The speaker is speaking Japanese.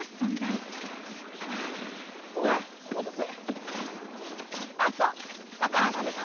ごめんお待たせ。